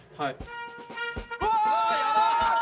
うわ！